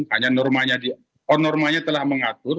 hanya normanya telah mengatur